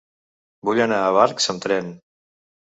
Vull anar a Barx amb tren.